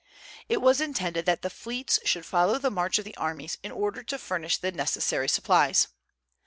It was intended that the fleets should follow the march of the armies, in order to furnish the necessary supplies.